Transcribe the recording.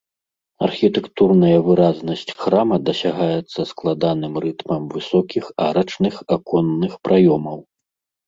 Архітэктурная выразнасць храма дасягаецца складаным рытмам высокіх арачных аконных праёмаў.